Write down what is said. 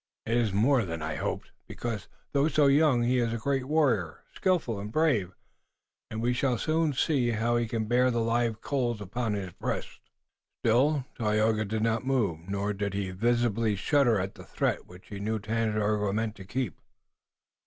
It is more than I had hoped, because, though so young, he is a great warrior, skillful and brave, and we shall soon see how he can bear the live coals upon his breast." Still Tayoga did not move, nor did he visibly shudder at the threat, which he knew Tandakora meant to keep.